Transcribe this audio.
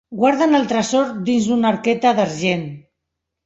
Guarden el tresor dins una arqueta d'argent.